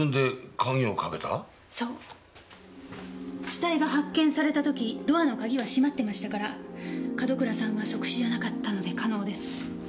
死体が発見された時ドアの鍵は閉まってましたから門倉さんは即死じゃなかったので可能です。